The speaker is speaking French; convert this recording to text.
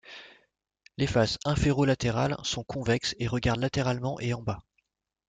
Les faces inférolatérales sont convexes et regardent latéralement et en bas.